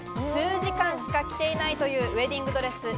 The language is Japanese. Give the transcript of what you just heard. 数時間しか着ていないというウエディングドレス。